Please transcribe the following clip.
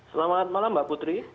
selamat malam mbak putri